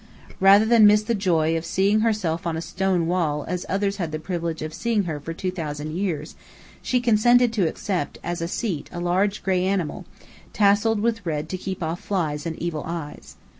Rather than miss the joy of seeing herself on a stone wall as others had had the privilege of seeing her for two thousand years, she consented to accept as a seat a large gray animal, tasselled with red to keep off flies and evil eyes.